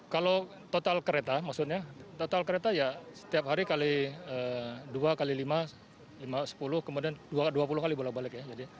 kalau total kereta maksudnya total kereta ya setiap hari kali dua kali lima sepuluh kemudian dua puluh kali bolak balik ya